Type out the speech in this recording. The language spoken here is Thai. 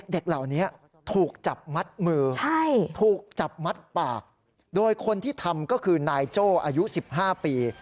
เด็กเหล่านี้ถูกจับมัดมือถูกจับมัดปากโดยคนที่ทำก็คือนายโจ้อายุ๑๕ปี